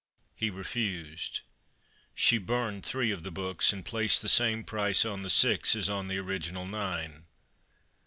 He refused. She burned three of the books, and placed the same price on the six as on the original nine.